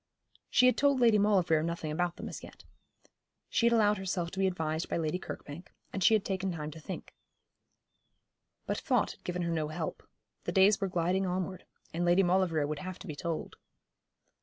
She had told Lady Maulevrier nothing about them as yet. She had allowed herself to be advised by Lady Kirkbank, and she had taken time to think. But thought had given her no help. The days were gliding onward, and Lady Maulevrier would have to be told.